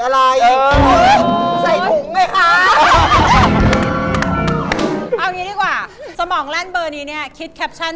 ให้ที่สองสามใบไปเลย